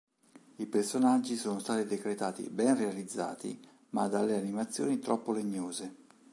I personaggi sono stati decretati ben realizzati ma dalle animazioni troppo legnose.